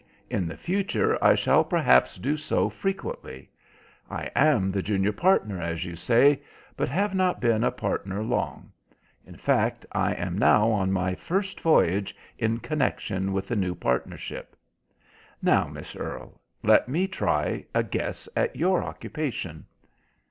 In the future I shall perhaps do so frequently. I am the junior partner, as you say, but have not been a partner long. In fact I am now on my first voyage in connection with the new partnership. Now, Miss Earle, let me try a guess at your occupation."